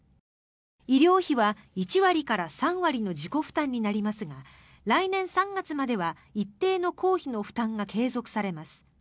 医療費は１割から３割の自己負担になりますが来年３月までは一定の公費の負担が継続されます。